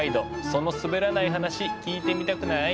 そのすべらない話聞いてみたくない？